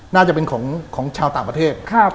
น่าจะเป็นของชาวต่างประเทศ